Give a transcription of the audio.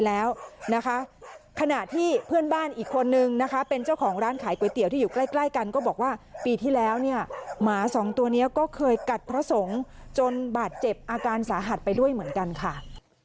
แล้วก็บอกว่าปีที่แล้วเนี่ยหมา๒ตัวเนี่ยก็เคยกัดพระสงฆ์จนบาดเจ็บอาการสาหัสไปด้วยเหมือนกันค่ะ